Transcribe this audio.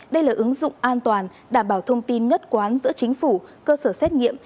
đây là ứng dụng an toàn đảm bảo thông tin nhất quán giữa chính phủ cơ sở xét nghiệm